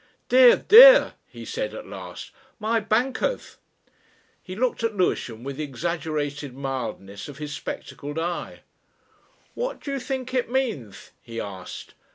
"Dear, dear!" he said at last. "My bankers!" He looked at Lewisham with the exaggerated mildness of his spectacled eye. "What do you think it means?" he asked.